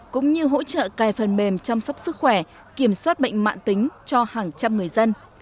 cũng như hỗ trợ cài phần mềm chăm sóc sức khỏe kiểm soát bệnh mạng tính cho hàng trăm người dân